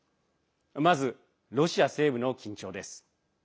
まず、ロシア西部の緊張です。